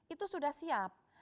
itu sudah siap